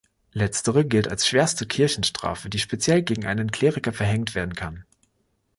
Letztere gilt als schwerste Kirchenstrafe, die speziell gegen einen Kleriker verhängt werden kann.